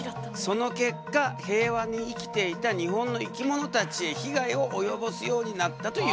その結果平和に生きていた日本の生き物たちへ被害を及ぼすようになったというわけ。